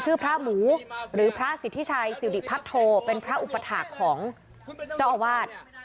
พระหมูหรือพระสิทธิชัยสิริพัทโทเป็นพระอุปถาคของเจ้าอาวาส